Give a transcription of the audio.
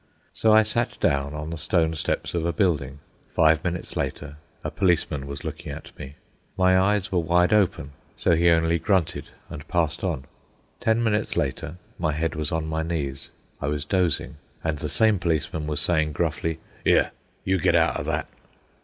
So I sat down on the stone steps of a building. Five minutes later a policeman was looking at me. My eyes were wide open, so he only grunted and passed on. Ten minutes later my head was on my knees, I was dozing, and the same policeman was saying gruffly, "'Ere, you, get outa that!"